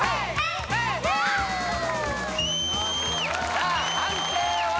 さあ判定は？